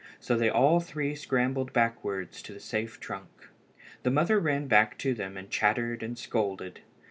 So they all three scrambled backwards to the safe trunk. The mother ran back to them, and chattered and scolded.